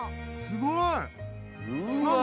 すごい。何？